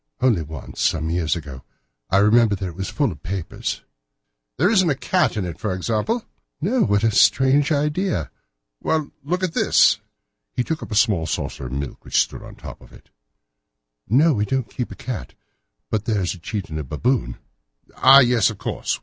"Only once, some years ago. I remember that it was full of papers." "There isn't a cat in it, for example?" "No. What a strange idea!" "Well, look at this!" He took up a small saucer of milk which stood on the top of it. "No; we don't keep a cat. But there is a cheetah and a baboon." "Ah, yes, of course!